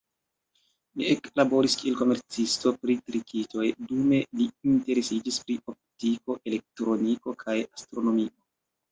Li eklaboris, kiel komercisto pri tritikoj, dume li interesiĝis pri optiko, elektroniko kaj astronomio.